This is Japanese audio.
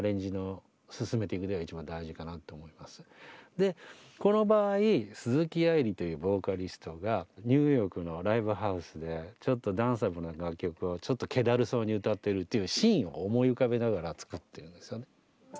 でこの場合鈴木愛理というボーカリストがニューヨークのライブハウスでちょっとダンサブルな楽曲をちょっとけだるそうに歌ってるっていうシーンを思い浮かべながら作ってるんですよね。